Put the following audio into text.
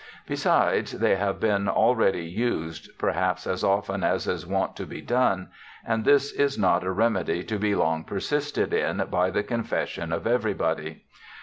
Besides they have bin already used (per haps as often as is wont to be don) and this is not a remedy to be long persisted in by the confession of everybody.